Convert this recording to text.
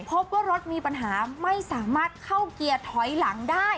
พบว่ารถมีปัญหาไม่สามารถเข้าเกียร์ถอยหลังได้